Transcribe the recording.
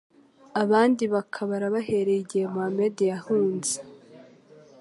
Abandi bakabara baherereye igihe Muhamadi yahunze